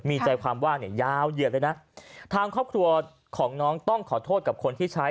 มีใจความว่าเนี่ยยาวเหยียดเลยนะทางครอบครัวของน้องต้องขอโทษกับคนที่ใช้